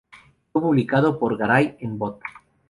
Fue publicado por Garay en "Bot.